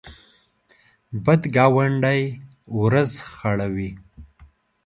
بد ګاونډی ورځ خړوي